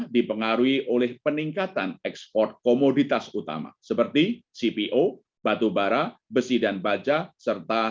dipengaruhi oleh peningkatan ekspor komoditas utama seperti cpo batubara besi dan baja serta